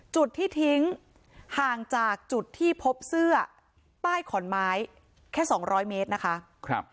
จุดที่ทิ้งห่างจากจุดที่พบเสื้อใต้ขอนไม้แค่สองร้อยเมตรนะคะ